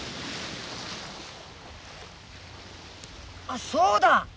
あっそうだ！